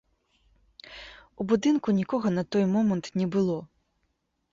У будынку нікога на той момант не было.